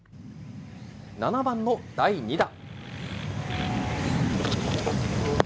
７番の第２打。